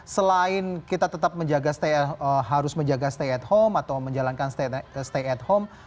selain kita tetap menjaga stay at home atau menjalankan stay at home